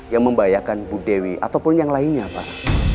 yang membahayakan bu dewi ataupun yang lainnya pak